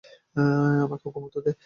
আমাকে ঘুমাতে দে।